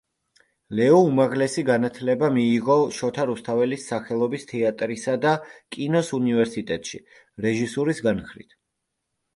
ლეო უმაღლესი განათლება მიიღო შოთა რუსთაველის სახელობის თეატრისა და კინოს უნივერსიტეტში რეჟისურის განხრით.